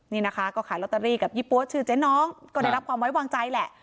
นี่นะคะก็ขายลอตเตอรี่กับยี่ปั๊วชื่อเจ๊น้องก็ได้รับความไว้วางใจแหละ